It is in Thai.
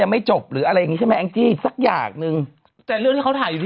ไม่จบหรืออะไรอยานี้ใช่มั้ยแองจีสักอย่างหนึ่ง